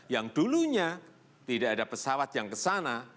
yang dulunya tidak ada pesawat yang ke sana